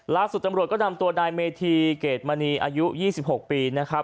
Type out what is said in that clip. ล่าสุดตำรวจก็นำตัวนายเมธีเกรดมณีอายุ๒๖ปีนะครับ